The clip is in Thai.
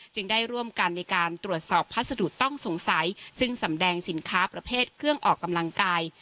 ได้ร่วมกันในการตรวจสอบพัสดุต้องสงสัยซึ่งสำแดงสินค้าประเภทเครื่องออกกำลังกาย